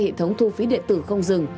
hệ thống thu phí điện tử không dừng